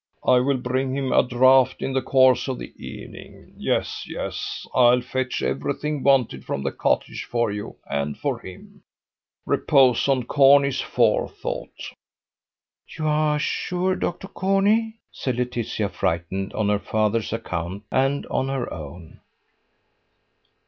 I will bring him a draught in the course of the evening. Yes, yes, I'll fetch everything wanted from the cottage for you and for him. Repose on Corney's forethought." "You are sure, Dr. Corney?" said Laetitia, frightened on her father's account and on her own.